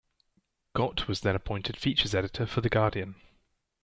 Gott was then appointed features editor for "The Guardian".